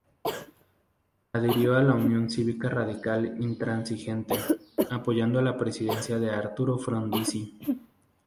Adhirió a la Unión Cívica Radical Intransigente, apoyando la presidencia de Arturo Frondizi.